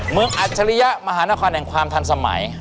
อัจฉริยะมหานครแห่งความทันสมัย